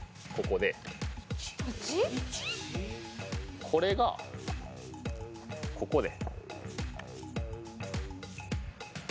でこれがここで。